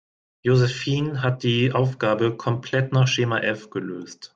Josephine hat die Aufgabe komplett nach Schema F gelöst.